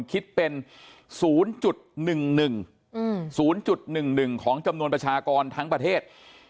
คิดเป็น๐๑๑๐๑๑ของจำนวนประชากรทั้งประเทศ